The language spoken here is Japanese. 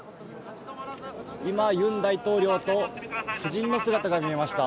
今、尹大統領と夫人の姿が見えました。